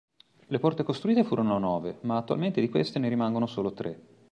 Le porte costruite furono nove, ma attualmente di queste ne rimangono solo tre.